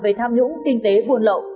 về tham nhũng kinh tế buồn lậu